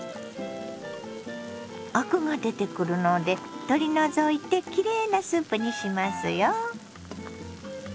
アクが出てくるので取り除いてきれいなスープにしますよ。